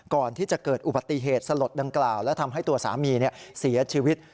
ก่อนที่จะเกิดอุบัติเหตุสลดดังกล่าวและทำให้ตัวสามีเสียชีวิต